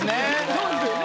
そうですよね。